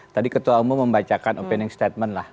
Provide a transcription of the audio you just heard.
tadi ketua umum membacakan opining statement lah